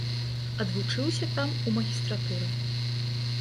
Адвучыўся там у магістратуры.